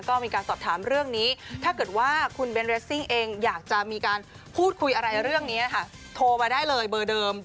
ก็มีการสอบถามเรื่องนี้ถ้าเกิดว่าคุณเบนเรสซิ่งเองอยากจะมีการพูดคุยอะไรเรื่องนี้ค่ะโทรมาได้เลยเบอร์เดิม